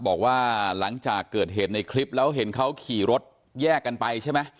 บอกว่าหลังจากเกิดเหตุในคลิปแล้วเห็นเขาขี่รถแยกกันไปใช่ไหม